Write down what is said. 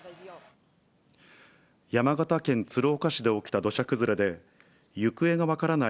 山形県鶴岡市で起きた土砂崩れで、行方が分からない